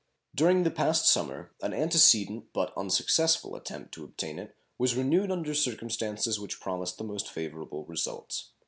During the past summer an antecedent but unsuccessful attempt to obtain it was renewed under circumstances which promised the most favorable results.